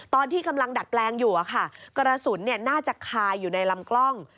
ตอนที่กำลังดัดแปลงอยู่กระสุนน่าจะคาอยู่ในลำกล้อง